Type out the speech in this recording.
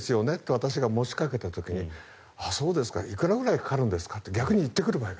私が持ちかけた時にそうですかいくらぐらいかかるんですかと言ってくる。